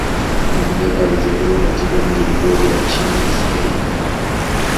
Mandela alizaliwa katika mji mdogo wa Transkei